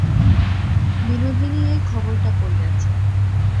বিনোদিনী এই খবরটা পড়িয়াছে।